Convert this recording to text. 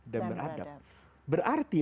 dan beradab berarti